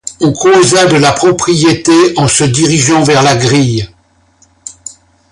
On causa de la propriété, en se dirigeant vers la grille.